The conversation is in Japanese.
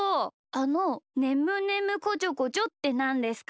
あの「ねむねむこちょこちょ」ってなんですか？